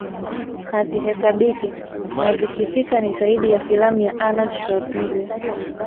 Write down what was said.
hazihesabiki na zikifika ni zaidi ya filamu ya Arnold Schwarzenegger